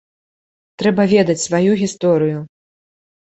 Трэба ведаць сваю гісторыю.